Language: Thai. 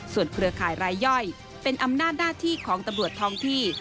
เครือข่ายรายย่อยเป็นอำนาจหน้าที่ของตำรวจท้องที่